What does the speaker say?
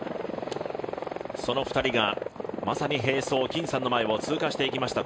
その２人が、まさに並走金さんの前を通過していきました。